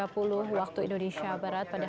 korban mengunci kamar kosnya